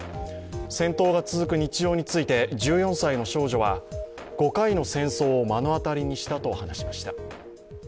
戦闘が続く日常について１４歳の少女は５回の戦争を目の当たりにしたと話しました。